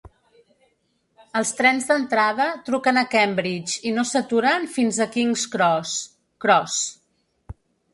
Els trens d'entrada truquen a Cambridge i no saturen fins King's Cross. Cross.